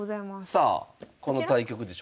さあこの対局でしょうか？